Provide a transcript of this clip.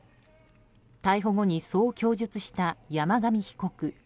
逮捕後に、そう供述した山上被告。